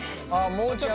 もうちょっと。